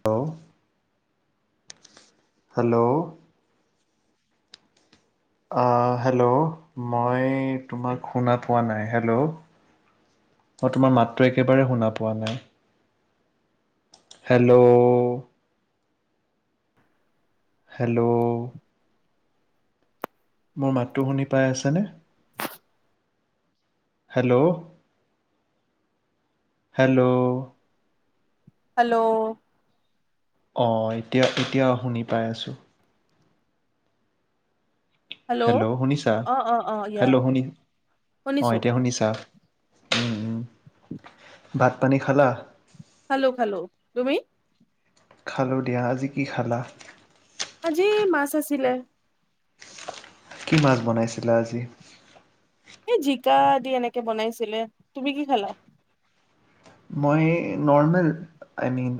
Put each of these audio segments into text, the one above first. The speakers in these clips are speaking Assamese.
হেল্ল ও হেল্ল' ওঁ হেল্ল' মই তোমাক শুনা পোৱা নাই হেল্ল' মই তোমাৰ মাতটো একেবাৰে শুনা পোৱা নাই হেল্ল' হেল্ল' ও মোৰ মাততো শুনি পাই আছেনে হেল্ল' হেল্ল' হেল্ল' ও অঁ এতিয়া এতিয়া শুনি পাই আছো হেল্ল' শুনিছা অ অ অ ইয়া হেল্ল' শুনি অঁ শুনিছো এতিয়া শুনিছা ভাত পানী খালা হেল্ল' খালো খালো, তুমি? খালোঁ দিয়া আজি কি খালা? আজি মাছ আছিলে। কি মাছ বনাইছিলে আজি? এই জিকা দি এনেকে বনাইছিলে তুমি কি খালা। মই নৰ্মৰ্মেল আই মিন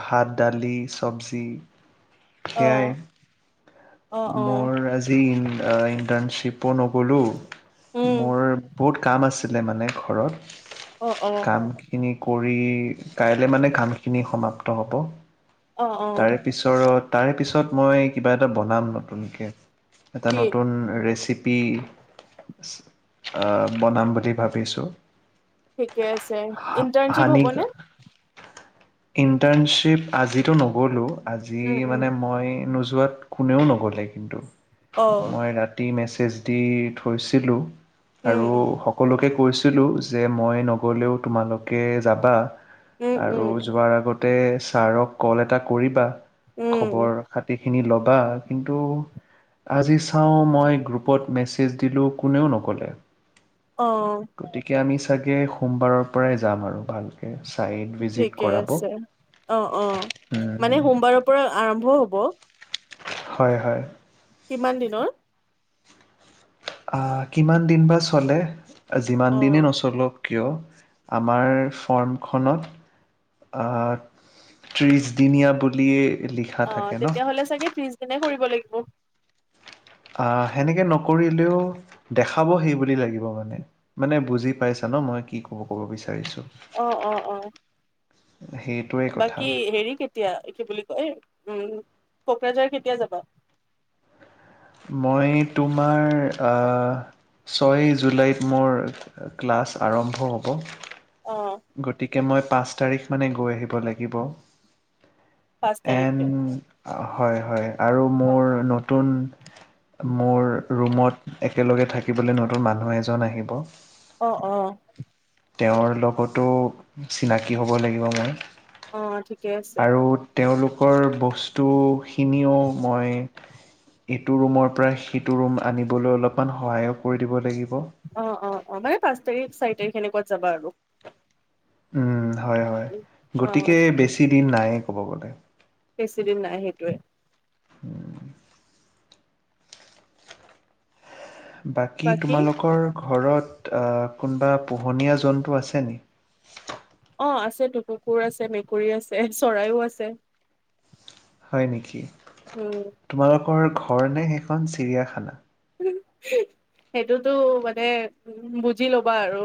ভাত দালি চবজি অ সয়াই অ অ মোৰ আজি ইণ্টাৰ্ণশ্বিপো নগ'লো উম মোৰ বহুত কাম আছে। আছিলে মানে ঘৰত অ অ কাম খিনি কৰি াই মানে কামখিনি সমাপ্ত হ'ব। অ অ তাৰে পিছৰত তাৰে পিছত মই কিবা এটা বনাম নতুনকৈ এটা কি নতুন ৰেচিপি পি বনাম বুলি ভাবিছোঁ। ঠিকে আছে ইণ্টাৰ্ণশ্বিপ হানি হ'বনে? ইণ্টাৰ্ণশ্বিপ আজি টো নগ'লো। আজি উম উম মানে মই নজ যোৱাত কোনেও নগ'লে কিন্তু অ মই ৰাতি মেচ এচ দি থৈছিলো। আৰু উম সকলোকে কৈছিলোঁ যে মই নগ'লেও তোমালোকে যাবা! উম আৰু উম যোৱাৰ আগত ততে ছাৰক কল এটা কৰিবা। উম খবৰ খাতি স খিনি ল'বা কিন্তু আজি চাওঁ মই গ্ৰুপত মেছেজ দিলোঁ কোনেও নক'লে অ! গতিকে আমি চাগে সোমবাৰৰ পৰাই যাম আৰু ভালকৈ ছাইট ভিজিট ঠিকে কৰাব আছে অ অ! মানে উম, সোমবাৰৰ পৰা আৰম্ভ হ'ব। ব হয় হয় কিমান দিনৰ আহ কিমান দিন বা চলে যিমান অ দিনেই নচলক কিয় আমাৰ ফ্ৰমখনত আ ত্ৰিছদিনীয়া বুলিয়েই অ তেতিয়া হ'লে চাগে ত্ৰিছ গিনে কৰিব। [unintelligible] অ সেনেকে নকৰিলেও দেখাব সেই বুলি লাগিব মানে মানে বুজি পাইছা ন মই কি কব ক'ব বিচাৰিছো। অ অ অ সেইটোৱে কথা বাকী হেৰি কেতিয়া কি বুলি কয়? উম কোকৰাঝাৰ কেতিয়া যাবা? মই তোমাৰ আ ছয় জুলাইত মোৰ ক্লাছ আৰম্ভ হ'ব। অ হ গতিকে মই পাঁচ তাৰিখ মানে গৈ আহিম। [unintelligible] লাগিব পাঁচ এম তাৰিখে অ হয় হয় আৰু মোৰ নতুন মোৰ ৰুমত একেলগে থাকিবলৈ নতুন মানুহ এজন আহিব। অ অ তেওঁৰ লগত টো চিনাকি হ'ব লাগিব মই অ ঠিকে আছে। আৰু তেওঁলোকৰ বস্তুখিনিও মই এইটো ৰুমৰ পৰা সিটো ৰুম আনিবলৈ অলপমান সহায়ো কৰি দিব লাগিব। অ অ অ মানে পাঁচ তাৰিখ চাৰি তাৰিখ সেনেকুৱাত যাবা আৰু উম হয় হয় অ গতিকে ঠিকে আছে বেছি দিন নাইয়ে ক'ব গ'লে বেছিদিন নাই সেইটোৱে উ বাকী তোমালোকৰ ঘৰত কোনোবা পোহনীয়া জন্তু আছে নি অ আছে কুকুৰ আছে, মেকুৰী আছে, চৰাইও আছে, হয় নেকি উম তোমালোকৰ ঘৰ নে সেইখন চিৰিয়াখানা? সেইটোতো মানে উ বুজি লবা আৰু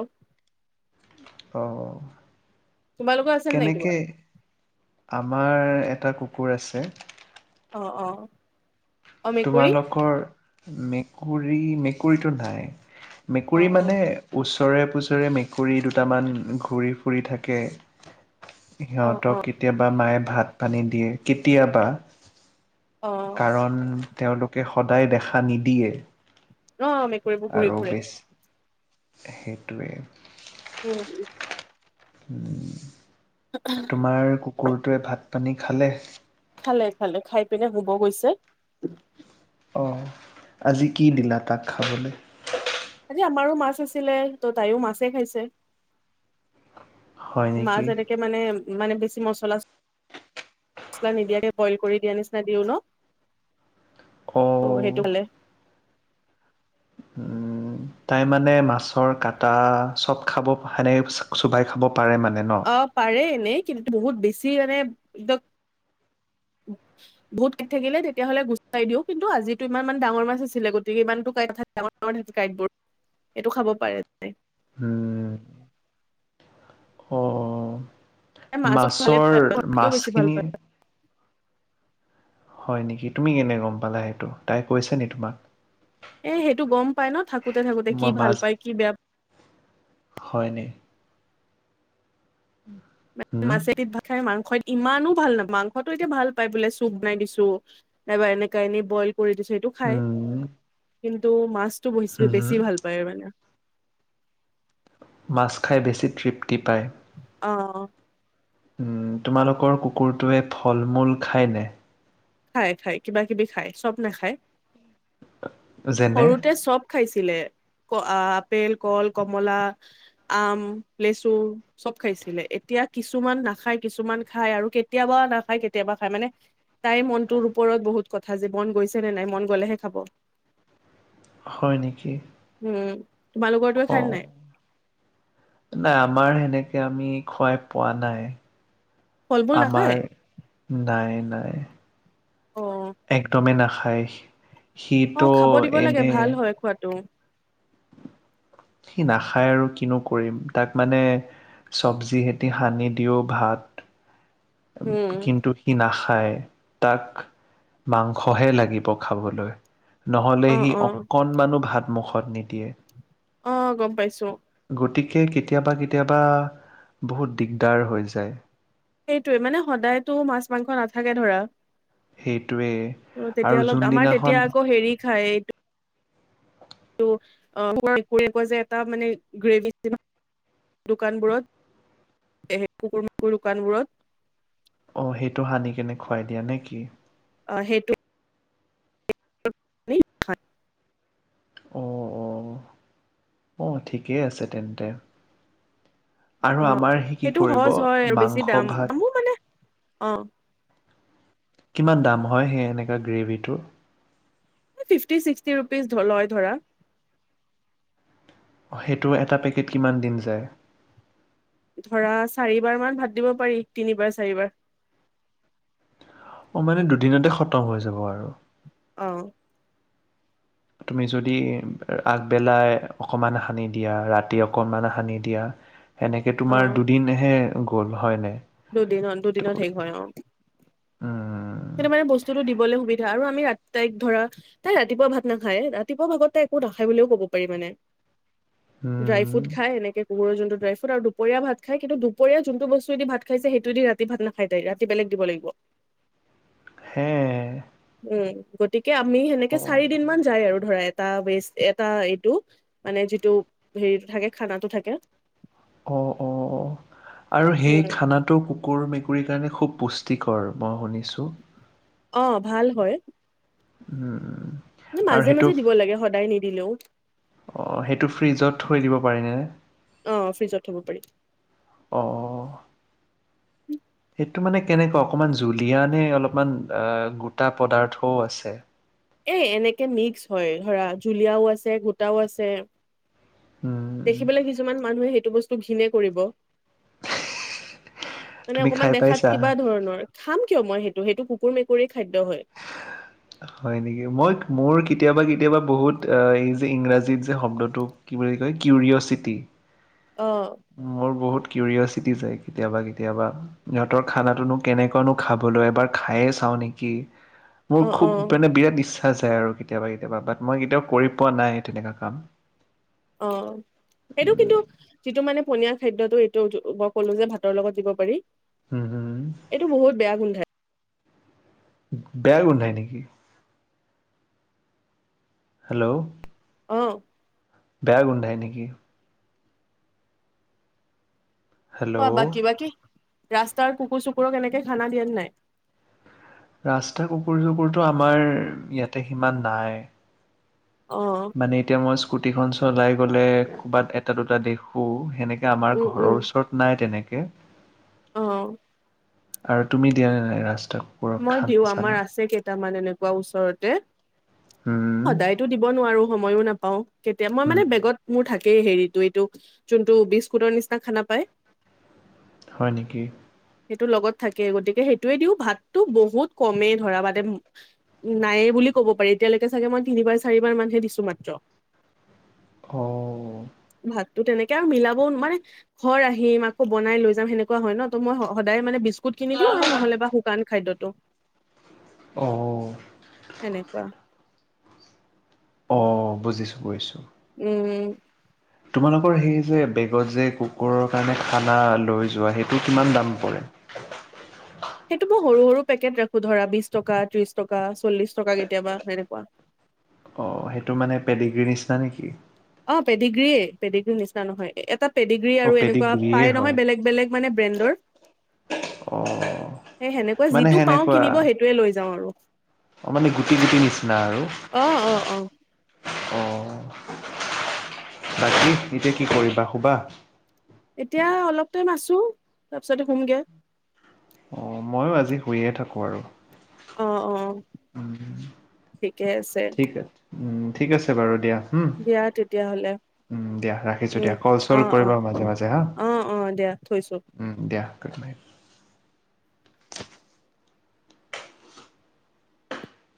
অঁ অঁ তোমালোকৰ আছে নাই কিবা আমাৰ এটা কুকুৰ আছে অ অ অ মেকুৰী তোমালোকৰ মেকুৰী মেকুৰীটো নাই অ মেকুৰী মানে ওচৰে পুছৰে মেকুৰী দুটামান ঘূৰি ফুৰি থাকে অ অ অ সিহঁতক কেতিয়াবা মায়ে ভাত ভাত পানী দিয়ে কেতিয়াবা অ কাৰণ তেওঁলোকে স সদায় দেখা নিদিয়ে অ মেকুৰী বোৰ পোহি আৰু ফুৰে বেছ সেইটোৱে উম উ উম তোমাৰ কুকুৰটোৱে ভাত পানী খালে খালে খালে খাই পিনে শুব গৈছে অঁ আজি কি দিলা তাক খাবলৈ আজি আমাৰো মাছ আছিলে ত' তাইও মাছে খাইছে হয় মাছ নেকি? এনেকে মানে মানে বেছি মচলা চছলা নিদিয়াকে বইল কৰি দিয়া নিচিনা দিওঁ ন অ সেইটো খালে উম তাই মানে মাছৰ কাটা চব খাব সেনেকে চোবাই খাব পাৰে মানে ন? অ পাৰে এনেই কিন্তু বহুত বেছি মানে একদম বহুত কাইট থাকিলে তেতিয়া হ'লে গুচাই দিওঁ কিন্তু আজিটো ইমান মান ডাঙৰ মাছ আছিলে গতিকে ইমানতো ক ডাঙৰ ডাঙৰ থাকে কাঁইটবোৰ এইটো খাব পাৰে পাৰে ন উম অ মাছো ভালে মাছৰ পায় ঘৰতকেও বেছি ভাল মাছখিনি পায় হয় নেকি তুমি কেনে গম পালা সেইটো তাই কৈছে নি তোমাক এ সেইটো গম পাই ন থাকোতে থাকোতে কি মই ভাল মাছ পায় কি বেয়া পায় হয় নি? উম মিত মাছেদি ভাত খাই মাংস মাংস ইমানো ভাল নাপ মাংসটো এতিয়া ভাল পায় বোলে চুপ বনাই দিছো নাইবা এনেকা এনেই বইল কৰি দিছো সেইটো খাই উম কিন্তু মাছ এইটো বহি চোৱে বেছি উম ভাল পায় মানে। মাছ খাই বেছি তৃপ্ত টিপায়। অ উম উ উ তোমালোকৰ কুকুৰটোৱে ফল মূল খায় নে? খায় খায় কিবা কিবি খায় চব নে খায়। যেনে সৰুতে চব খাইছে। এৰিদিলে ক আ আ আপেল, কল, কমলা, আম, লেচু চব খাইছিলে। এতিয়া কিছুমান নাখায়, কিছুমান খায় আৰু কেতিয়াবা নাখায়, কেতিয়াবা খায় মানে তাইৰ মনটোৰ ওপৰত বহুত কথা যে মন গৈছে নে নাই মন গলেহে খাব। হয় নেকি? উম। তোমালোকৰটোৱে খায় নে অ', নাই নাই। আমাৰ সেনেক এতিয়া, আমি খোৱাই পোৱা নাই ফল মূল আমাৰ নাখায় নাইন নাই, অ একদমেই নাখায় সি। অ', খাব দিব লাগে। ভাল হয়, খোৱাটো সি নাখায়, আৰু কিনো কৰিম? তাক মানে, সব্জিহেতি সানি দিওঁ ভাত উম কিন্তু, সি নাখায় খায়, তাক মাংসহে লাগিব খাবলৈ। নহ'লে, অ সি অ অকণমানো ভাত মুখত নিদিয়ে। অ', গম পাইছো। গতিকে, কেতিয়াবা-কেতিয়াবা বহুত দিগদাৰ হৈ যায়। সেইটোৱেই, মানে, সদায়তো মাছ-মাংস নাথাকে, ধৰা। সেইটোৱেই, আৰু যোনদিনাখন খাই, এইটো [unintelligible] কয় যে, এটা, মানে, গ্ৰেভি, [unintelligible] দোকানবোৰত। এই কুকুৰ-মেকুৰী দোকানবোৰত [unintelligible] অ, সেইটো সানি কিনে খুৱাই দিয়া নে কি? আ, সেইটো ই ভাত। অ', অ', অ'। ঠিকেই আছে, তেন্তে। আৰু অ', আমাৰ সি কি সেইটো কৰিব সহজ হয়। আৰু, বেছি মাংস ভাত দাম-দামো, মানে অ। কিমান দাম হয়, সেই এনেকা গ্ৰেভিটোৰ? এই ফিফটি-ছিক্সটি ৰুপিজ ধৰ লয়, ধৰা হয়, সেইটো এটা পেকেট, কিমান দিন যায়? ধৰা, চাৰিবাৰমান ভাত দিব পাৰি। তিনিবাৰ-চাৰিবাৰ। অ, মানে, দুদিনতে খতম হৈ যাব, আৰু অ'। তুমি যদি আগবেলাই অকণমান সানি দিয়া, ৰাতি অকণমান সানি দিয়া। সেনেকে, অ তোমাৰ দুদিনহে। গ'ল হয়নে? দুদিনত ত দুদিনত শেষ হয় অ উম। সেইটো, মানে, বস্তুটো দিবলৈ সুবিধা। আৰু আমি ৰাতি তাইক, ধৰা, তাই ৰাতিপুৱা ভাত নাখায়। ৰাতিপুৱা ভাগত তাই একো নাখায় বুলিও ক'ব পাৰি, মানে। ড্ৰাই উম ফ্ৰুট খাই, এনেকে, কুকুৰৰ যোন। ড্ৰাই ফ্ৰুট আৰু দুপৰীয়া ভাত খাই। কিন্তু, দুপৰীয়া যোনটো বস্তু দি ভাত খাইছে, সেইটো দি ৰাতি ভাত নাখায়। তাই, ৰাতি, বেলেগ দিব লাগিব। হে এ? উম, গতিক। কে, আমি সেনেকে চাৰি দিনমান যায় আৰু, ধৰা, এট। এটা বেছ, এটা এইটো, মানে, যিটো হেৰিটো থাকে, খানাটো থাকে। অ', অ', অ'। আৰু সেই উম খানাটো কুকুৰ মেক কুৰি কাৰণে খুব পুষ্টিকৰ মই শুনিছোঁ। অ ভাল হয়। উম। মাজে মাজে দিব লাগে সদায় নিদ। দিলো। অঁ সেইটো ফ্ৰিজত থৈ দিব পাৰে নেনে? অ ফ্ৰিজত থব পাৰি অঁ উ [inaudible] এইটো মানে কেনেকুৱা অকমান জুলিয়ানে অলপমান এ গোটা পদাৰ্থও আছে। এ এনেকে মিক্স হয় ধৰা জুলীয়াও আছে গোটাও আছে। উম, দেখি পালে কিছুমান মানুহে সেইটো বস্তু ঘীনে কৰিব। মানে তুমি খাই অকমান দেখাত পাইছা? কিবা ধৰণৰ খাম কিয় মই সেই। ত' সেইটো কুকুৰ মেকুৰী খাদ্য হয়। হয় নেকি? মই মোৰ কেতিয়াবা কেতিয়াবা বহুত এই যে ইংৰাজীত যে শব্দটো কি বুলি কয় কিউৰিয়চিটি। অ', মোৰ বহুত। কিউৰিয়চিটি যায় কেতিয়াবা, কেতিয়াবা ইহঁতৰ খানাটোনো কেনেকুৱানো খাবলৈ? এবাৰ খায়েই চাওঁ নেকি? মোৰ অ', খুব অ', মানে বিৰাট ইচ্। ছা যাই আৰু কেতিয়াবা, কেতিয়াবা বাট মই কেতিয়াও কৰি পোৱা নাই তেনেকুৱা কাম। অ সেইটো কিন্তু যিটো মানে পনীয়া। খাদ্যটো এইটো মই ক'লো যে ভাতৰ লগত দিব পাৰি। হুম হুম এইটো বহুত বেয়া গোন্ধাই। বেয়া গোন্ধাই নেকি? হেল্ল'? অ। বেয়া গোন্ধাই নেকি? কোৱা হেল্ল' বাকি বাকি। ৰাস্তাৰ কুকুৰ চুকুৰক কেনেকে খানা দিয়ে নাই? ৰাস্তা কুকুৰ চুকুৰতটো আমাৰ ইয়াতে সিমান নাই। অ', মানে এতিয়া মই স্কুটিখন। চলাই গ'লে ক'ৰবাত এটা দুটা দেখো সেনেকে এতিয়া আমাৰ উম, ঘৰৰ ওচৰত নাই তেনেকে। কে? অহ আৰু তুমি দিয়া নে নাই ৰাস্তা? কুকুৰৰ মই খানা দিওঁ আমাৰ চানা আছে কেইটামান এনেকুৱা। এনেকুৱা ওচৰতে। উম, সদায়তো দিব নোৱাৰো। সময়ো নাপাওঁ। কেতিয়া মই উম, মানে বেগত মোৰ থাকে হেই হেৰিতটো এইটো যোনটো বিস্কুটৰ নিচিনা খানা পায়। হয় নেকি? সেইটো লগত থাকে গতিকে সেইটয়ে দিওঁ ভাত। তো বহুত কমেই ধৰা মাানে নাইে বুলি ক'ব পাৰি এতিয়ালৈকে চাগে মই তিনিবাৰ চাৰিবাৰ মানহে দিছো মাত্ৰ। অ'। ভাত। ত' তেনেকে আৰু মিলাবও মানে ঘৰ আহিম আকৌ বনাই লৈ যাম সেনেকুৱা হয় ন ত মই সদায় মানে বি। কুট কিনি দিওঁ আৰু নহলে বা শুকান। খাদ্যটো। অ', অ', সনেকুৱা। অ বুজিছো বুজিছোঁ। উম। তোমালোকৰ সেই যে বেগত যে কুকুৰৰ কাৰণে খানা লৈ যোৱা সেইটো কিমান দাম পৰে? সেইটো মই সৰু সৰু পেকেট ৰাখো ধৰা বিশ টকা ত্ৰিশ টকা চল্লিশ টকা কেতিয়াবা তেনেকুৱা। অ সেইটো মানে পেডিগীৰ নিচিনা নেকি? অ পেডিগ্ৰীে পেডিগ্ৰ্ৰী নিচিনা নহয় এটাত পেডগ্ৰী অ', আৰু এনেকুৱা পেডিগ্ৰীয়ে পাই নহয় হয়। বেলেগ বেলেগ মানে ব্ৰেণ্ডৰ অ', সেই সেনেকুৱা মানে যিটো পাওঁ সেনেকুৱা কিনিব সেইটোৱে লৈ যাওঁ আৰু অ', মানে গুটি গুটি নিচিনা আৰু অ অ অ। অ বাকী এতিয়া কি কৰিবা শুবা? এতিয়া অলপ টাইম আছো তাৰপিছতে হোমগে। অ ময়ো আজি শুইয়ে থাকোঁ আৰু। অ অ। উম, ঠিকে আছে। ঠিক আছে ঠিক আছে বাৰু দিয়া। হম দিয়া তেতিয়াহলে উম দিয়া ৰাখিছো উম দিয়া কল চল অ অ কৰিবা মাজে মাজে হা অ অ দিয়া থৈছো উম দিয়া। গুট নাইত